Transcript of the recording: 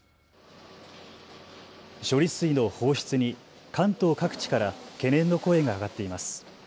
処理水の放出に関東各地から懸念の声が上がっています。